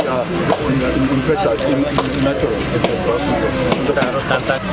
dan kita akan melihat seberapa jauh kita berada di kondisi